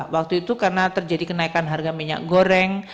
waktu itu karena terjadi kenaikan harga minyak goreng